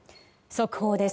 速報です。